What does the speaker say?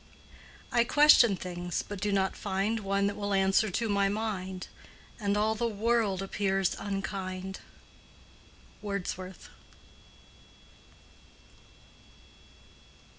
"I question things but do not find One that will answer to my mind: And all the world appears unkind." —WORDSWORTH.